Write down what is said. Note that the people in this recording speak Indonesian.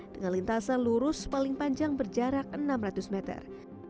dengan lintasan lurus paling panjang berjarak enam ratus meter